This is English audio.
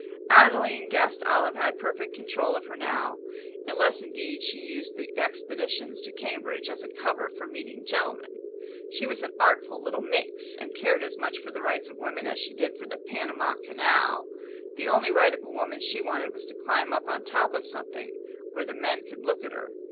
Adeline guessed Olive had perfect control of her now, unless indeed she used the expeditions to Cambridge as a cover for meeting gentlemen. She was an artful little minx, and cared as much for the rights of women as she did for the Panama Canal; the only right of a woman she wanted was to climb up on top of something, where the men could look at her.